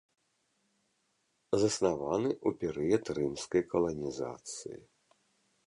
Заснаваны ў перыяд рымскай каланізацыі.